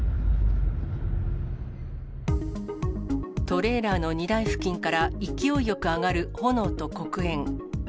トレーラーの荷台付近から、勢いよく上がる炎と黒煙。